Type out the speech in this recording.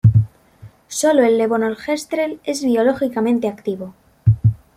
Sólo el levonorgestrel es biológicamente activo.